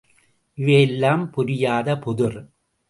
இவையெல்லாம் புரியாத புதிர்!